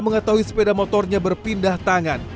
mengetahui sepeda motornya berpindah tangan